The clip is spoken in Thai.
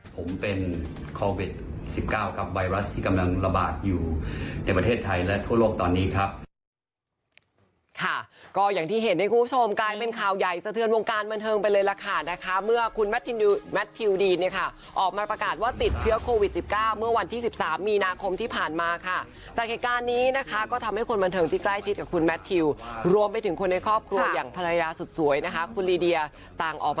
ผมเป็นโควิด๑๙กับไวรัสที่กำลังระบาดอยู่ในประเทศไทยและทั่วโลกตอนนี้ครับ